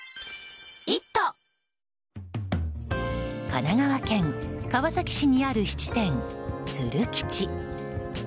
神奈川県川崎市にある質店鶴吉。